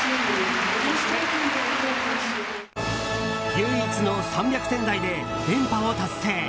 唯一の３００点台で連覇を達成。